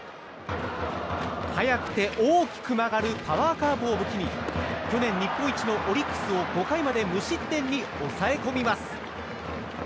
速くて大きく曲がるパワーカーブを武器に去年日本一のオリックスを５回まで無失点に抑えこみます。